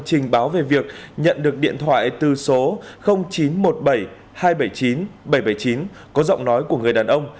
trình báo về việc nhận được điện thoại từ số chín trăm một mươi bảy hai trăm bảy mươi chín bảy trăm bảy mươi chín có giọng nói của người đàn ông